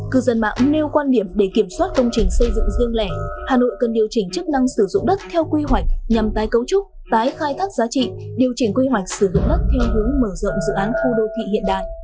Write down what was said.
cư dân mạng nêu quan điểm để kiểm soát công trình xây dựng riêng lẻ hà nội cần điều chỉnh chức năng sử dụng đất theo quy hoạch nhằm tái cấu trúc tái khai thác giá trị điều chỉnh quy hoạch sử dụng đất theo hướng mở rộng dự án khu đô thị hiện đại